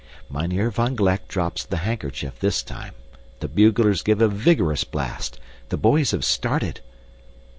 Mynheer van Gleck drops the handkerchief this time. The buglers give a vigorous blast! The boys have started!